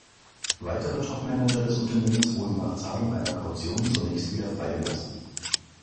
Weitere Top-Manager des Unternehmens wurden nach Zahlung einer Kaution zunächst wieder freigelassen.